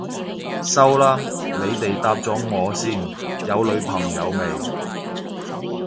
收啦，你哋答咗我先，有女朋友未？